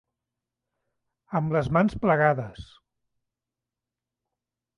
Amb les mans plegades.